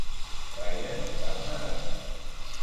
Ryan sap nedar.